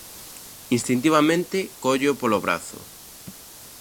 Instintivamente, cólleo polo brazo.